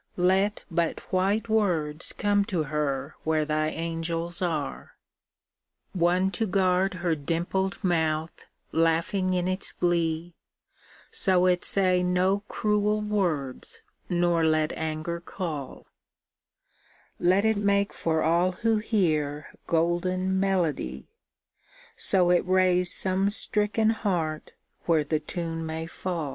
Let but white words come to her where Thy angels are. One to guard her dimpled mouth, laughing in its glee. So it say no cruel words, nor let anger call ; THE SAD YEARS A SONG FOR EVALEEN (Continued) Let it make for all who hear golden melody. So it raise some stricken heart where the tune may faU.